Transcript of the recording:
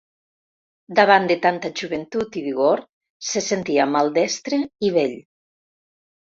Davant de tanta joventut i vigor, se sentia maldestre i vell.